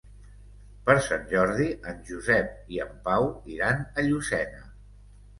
Per Sant Jordi en Josep i en Pau iran a Llucena.